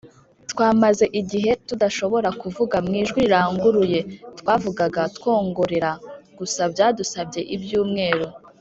twamaze igihe tudashobora kuvuga mu ijwi riranguruye twavugaga twongorera gusa Byadusabye ibyumweru